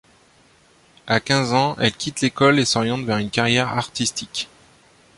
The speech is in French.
À quinze ans, elle quitte l'école et s'oriente vers une carrière artistique.